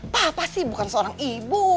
papa sih bukan seorang ibu